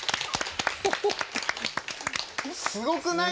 すごくない？